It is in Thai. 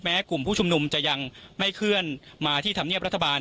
กลุ่มผู้ชุมนุมจะยังไม่เคลื่อนมาที่ธรรมเนียบรัฐบาล